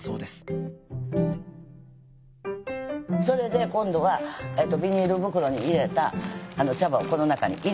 それで今度はビニール袋に入れた茶葉をこの中に入れます。